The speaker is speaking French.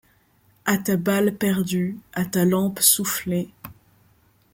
A ta balle perdue, à ta lampe soufflée ;